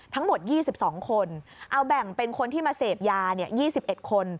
ทั้งหมด๒๒คนเอาแบ่งเป็นคนที่มาเสพยา๒๑คน